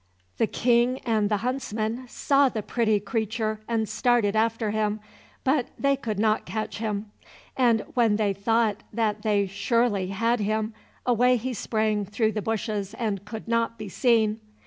The King and the huntsmen saw the pretty creature, and started after him, but they could not catch him, and when they thought that they surely had him, away he sprang through the bushes and could not be seen.